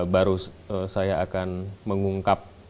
baru saya akan mengungkap